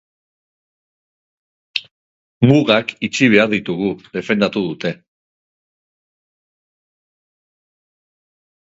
Mugak itxi behar ditugu, defendatu dute.